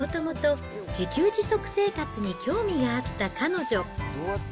もともと、自給自足生活に興味があった彼女。